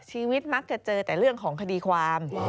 ชีวิตมักจะเจอแต่เรื่องของคดีความ